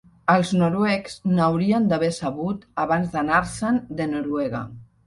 Els noruecs n'haurien d'haver sabut abans d'anar-se'n de Noruega.